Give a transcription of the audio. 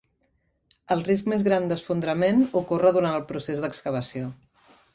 El risc més gran d'esfondrament ocorre durant el procés d'excavació.